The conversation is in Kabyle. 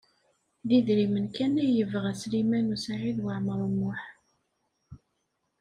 D idrimen kan ay yebɣa Sliman U Saɛid Waɛmaṛ U Muḥ.